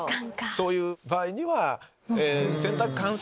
そういう場合には。